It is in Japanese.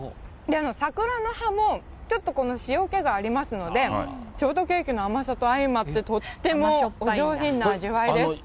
桜の葉も、ちょっとこの塩けがありますので、ショートケーキの甘さと相まってとってもお上品な味わいです。